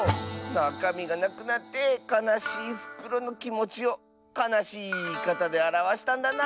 なかみがなくなってかなしいふくろのきもちをかなしいいいかたであらわしたんだな。